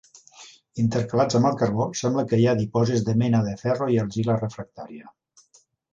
Intercalats amb el carbó sembla que hi ha dipòsits de mena de ferro i argila refractària.